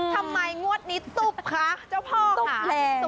ทำไมงวดนี้ตุ๊บคะเจ้าพ่อค่ะตุ๊บแรง